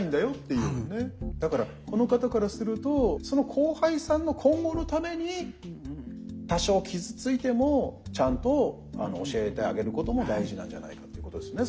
だからこの方からするとその後輩さんの今後のために多少傷ついてもちゃんと教えてあげることも大事なんじゃないかということですね。